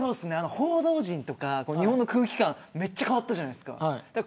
報道陣とか日本の空気感が変わったじゃないですか。